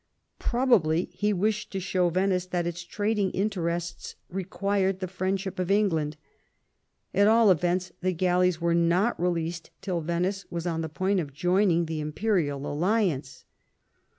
Probably he wished to show Venice that its trading interests required the friend ship of England. At all events the galleys were not released till Venice was on the point of joining the imperial alliance.